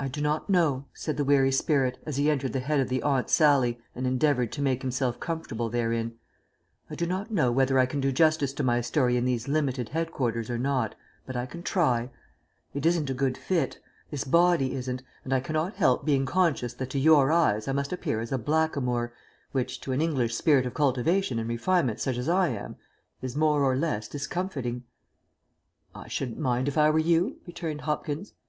"I DO not know," said the weary spirit, as he entered the head of the Aunt Sallie and endeavoured to make himself comfortable therein, "I do not know whether I can do justice to my story in these limited headquarters or not, but I can try. It isn't a good fit, this body isn't, and I cannot help being conscious that to your eyes I must appear as a blackamoor, which, to an English spirit of cultivation and refinement such as I am, is more or less discomfiting." "I shouldn't mind if I were you," returned Hopkins.